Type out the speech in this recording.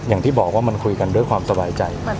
อย่างที่บอกว่ามันคุยกันด้วยความสบายใจ